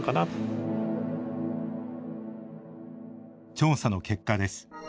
調査の結果です。